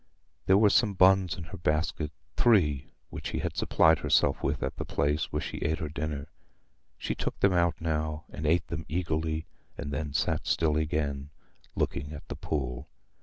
There were some buns in her basket—three, which she had supplied herself with at the place where she ate her dinner. She took them out now and ate them eagerly, and then sat still again, looking at the pool.